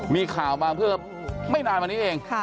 มีข่าวมาเพื่อไม่นานมานี้เอง